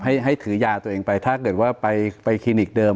ให้ให้ถือยาตัวเองไปถ้าเกิดว่าไปคลินิกเดิม